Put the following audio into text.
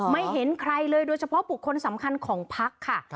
ไม่เห็นใครเลยโดยเฉพาะบุคคลสำคัญของพักค่ะ